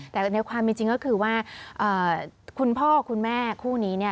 แต่ในความจริงก็คือว่าคุณพ่อคุณแม่คู่นี้เนี่ย